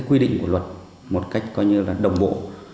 quy định của luật một cách đồng bộ